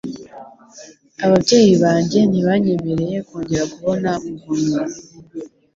Ababyeyi banjye ntibanyemereye kongera kubona Muvunnyi